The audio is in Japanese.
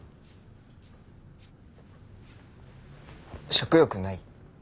食欲ない？